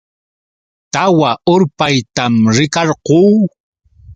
Tawa urpaytam rikarquu.